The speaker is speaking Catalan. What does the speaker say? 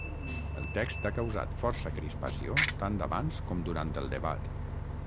El text ha causat força crispació tant abans com durant el debat.